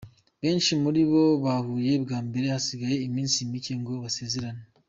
Benshi muri bo bahuye bwa mbere hasigaye iminsi mike ngo basezerane.